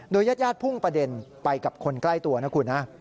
ญาติพุ่งประเด็นไปกับคนใกล้ตัวนะคุณนะ